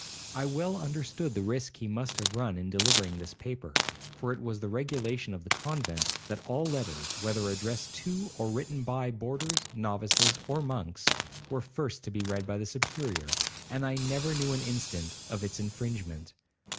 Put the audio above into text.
I well understood the risk he must have run in delivering this paper, for it was the regulation of the convent, that all letters, whether addressed to or written by boarders, novices, or monks, were first to be read by the Superior, and I never knew an instance of its infringement.